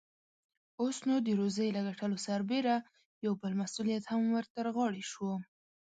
اوس، نو د روزۍ له ګټلو سربېره يو بل مسئوليت هم ور ترغاړې شو.